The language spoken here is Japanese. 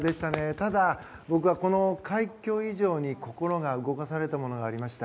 ただ、僕はこの快挙以上に心が動かされたものがありました。